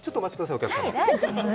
お客様。